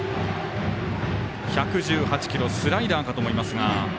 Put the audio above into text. １８８キロスライダーかと思いますが。